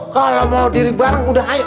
kalau mau diri bareng udah ayo